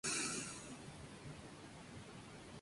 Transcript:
En París, cambió su nombre Johanna en la forma francesa, Jeanne.